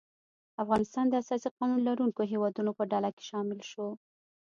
افغانستان د اساسي قانون لرونکو هیوادو په ډله کې شامل شو.